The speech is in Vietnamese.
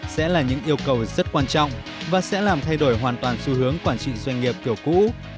sẽ là những yêu cầu rất quan trọng và sẽ làm thay đổi hoàn toàn xu hướng quản trị doanh nghiệp kiểu cũ